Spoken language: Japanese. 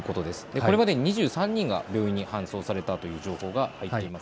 これまでに２３人が病院に搬送されたという情報が入っています。